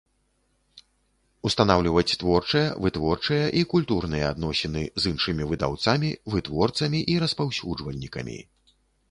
Устанаўлiваць творчыя, вытворчыя i культурныя адносiны з iншымi выдаўцамi, вытворцамi i распаўсюджвальнiкамi.